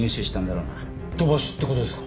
飛ばしって事ですか？